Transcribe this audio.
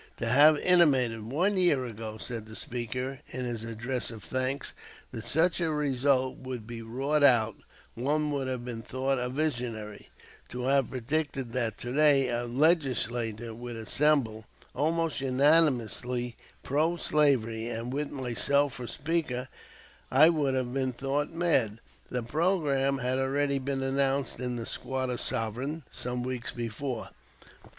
"To have intimated one year ago," said the Speaker in his address of thanks, "that such a result would be wrought out, one would have been thought a visionary; to have predicted that to day a legislature would assemble, almost unanimously pro slavery, and with myself for Speaker, I would have been thought mad." The programme had already been announced in the "Squatter Sovereign" some weeks before.